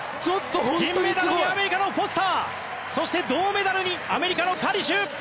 銀メダルにアメリカのフォスターそして銅メダルにアメリカのカリシュ。